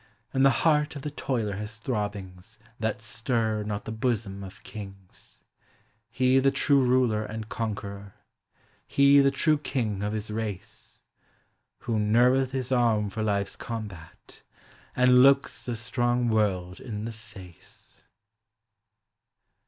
And the heart of the toiler has throbbings that stir not the bosom of kings — He the true ruler and conqueror, he the true king of his race. Who nerveth his arm for life's combat, and looks the strong world in the face.